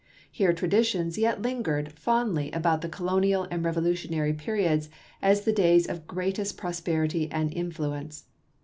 Here traditions yet lingered fondly about the colonial and revolutionary periods as the days of gi'eatest prosperity and influence.